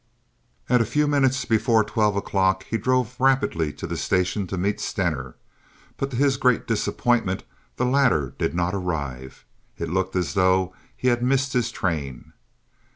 At a few minutes before twelve o'clock he drove rapidly to the station to meet Stener; but to his great disappointment the latter did not arrive. It looked as though he had missed his train.